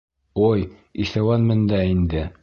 Ой, иҫәүәнмен дә инде.